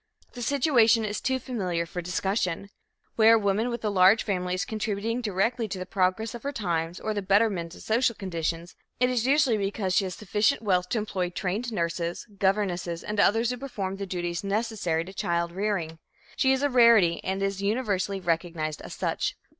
The situation is too familiar for discussion. Where a woman with a large family is contributing directly to the progress of her times or the betterment of social conditions, it is usually because she has sufficient wealth to employ trained nurses, governesses, and others who perform the duties necessary to child rearing. She is a rarity and is universally recognized as such.